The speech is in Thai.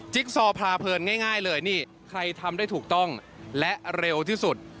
ซอพลาเพลินง่ายเลยนี่ใครทำได้ถูกต้องและเร็วที่สุด